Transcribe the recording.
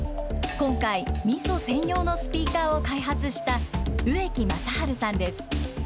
今回、みそ専用のスピーカーを開発した植木正春さんです。